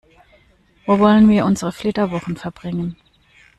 Wo wollen wir unsere Flitterwochen verbringen?